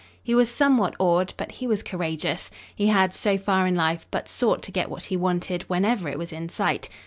He was somewhat awed, but he was courageous. He had, so far in life, but sought to get what he wanted whenever it was in sight.